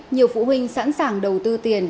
nhiều phụ huynh sẵn sàng đầu tư tiền